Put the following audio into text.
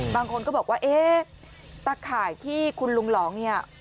บางคนก็บอกว่าเอ๊ะตะข่ายที่คุณลุงหลองเนี่ย